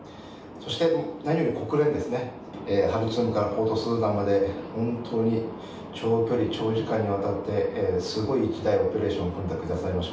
そして何より国連ですね、ハルツームからポートスーダンまで本当に長距離、長時間にわたって、すごいオペレーションを組んでくださいました。